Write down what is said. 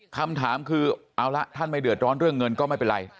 คำถามคือเอาละท่านไม่เดือดร้อนเรื่องเงินก็ไม่เป็นไร